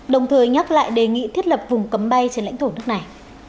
đồng thời nhắc lại đề nghị thiết lập vùng cấm bay trên lãnh thổ nước này